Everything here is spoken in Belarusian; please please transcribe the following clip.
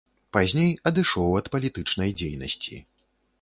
Пазней адышоў ад палітычнай дзейнасці.